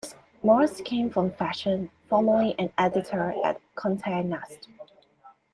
Moorse came from fashion, formally an editor at Conte Nast.